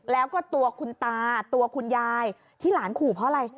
แล้วก็ตัวคุณตาตัวคุณยายที่หลานขู่เพราะอะไร